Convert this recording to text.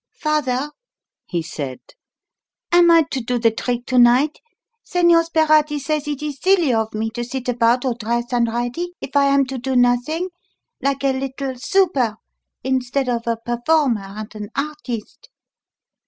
"Father," he said, "am I to do the trick to night? Señor Sperati says it is silly of me to sit about all dressed and ready if I am to do nothing, like a little super, instead of a performer and an artist."